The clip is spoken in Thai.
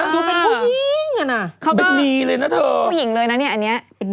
ใช่ก็เลยไปควบคุณตัวไป